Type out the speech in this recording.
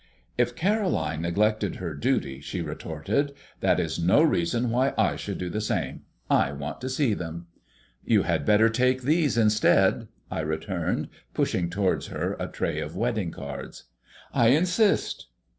"If Caroline neglected her duty," she retorted, "that is no reason why I should do the same. I want to see them." "You had better take these instead," I returned, pushing towards her a tray of wedding cards. "I insist."